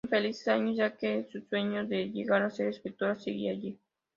Infelices años, ya que su sueño de llegar a ser escritora seguía ahí.